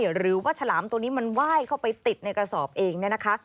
หรือว่าฉลามตัวนี้มันว่ายเข้าไปติดในกระสอบเอง